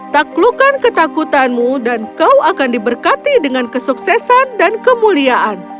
taklukkan ketakutanmu dan kau akan diberkati dengan kesuksesan dan kemuliaan